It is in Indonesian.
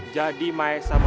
jadi maesa berubah